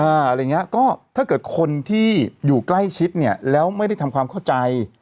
อะไรอย่างเงี้ยก็ถ้าเกิดคนที่อยู่ใกล้ชิดเนี่ยแล้วไม่ได้ทำความเข้าใจ